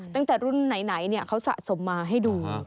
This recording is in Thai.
ตั้งแต่รุ่นไหนเขาสะสมมาให้ดู